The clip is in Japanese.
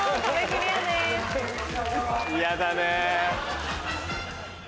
嫌だねぇ。